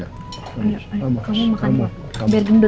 kamu makan dulu biar gendut